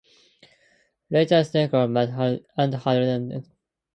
Later Shankar Mahadevan and Hariharan joined as special appearances in the film.